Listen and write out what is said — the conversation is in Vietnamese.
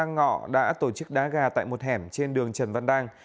sát ngọ đã tổ chức đá gà tại một hẻm trên đường trần văn đăng